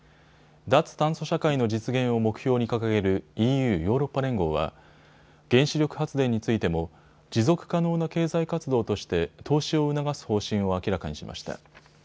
脱炭素社会の実現を目標に掲げるＥＵ・ヨーロッパ連合は、原子力発電についても持続可能な経済活動として投資を促す方針を明らかにしました。